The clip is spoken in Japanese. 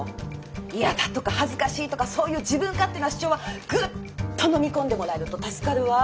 嫌だとか恥ずかしいとかそういう自分勝手な主張はグッと飲み込んでもらえると助かるわ。